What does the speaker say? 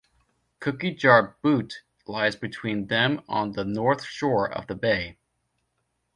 Cookie Jar Butte lies between them on the north shore of the bay.